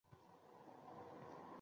U yuqori tabaqaga qorishib ketolmaydi